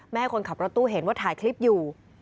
ให้คนขับรถตู้เห็นว่าถ่ายคลิปอยู่